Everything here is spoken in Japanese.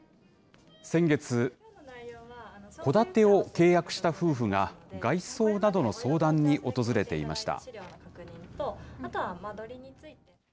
先月、戸建てを契約した夫婦が、外装などの相談に訪れていました。